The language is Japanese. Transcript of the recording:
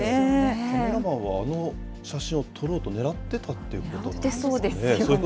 カメラマンはあの写真を撮ろうと思って狙ってたっていうこと本当そうですよね。